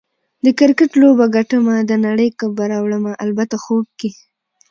د کرکټ لوبه ګټمه، د نړۍ کپ به راوړمه - البته خوب کې